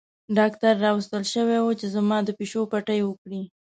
ډاکټر راوستل شوی وو چې زما د پښو پټۍ وکړي.